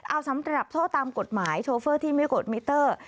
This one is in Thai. เอาสำหรับโทษตามกฎหมายโชเฟอร์ที่ไม่กดมิเตอร์